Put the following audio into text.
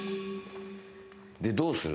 でどうする？